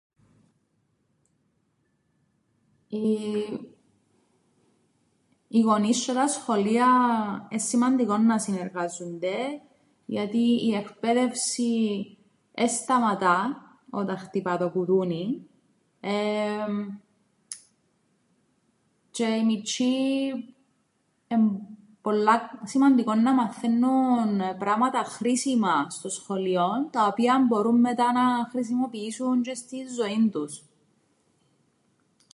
Οι- οι γονείς τζ̆αι τα σχολεία εν' σημαντικόν να συνεργάζουνται γιατί η εκπαίδευση εν σταματά όταν χτυπά το κουδούνιν εεεμ τζ̆αι οι μιτσ̆οί εν' πολλά σημαντικόν να μαθαίννουν πράματα χρήσιμα στο σχολείον τα οποία μπορούν μετά να χρησιμοποιήσουν τζ̆αι στην ζωήν τους.